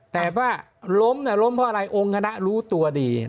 แต่ว่าล้มล้มเพราะอะไรองค์คณะรู้ตัวดี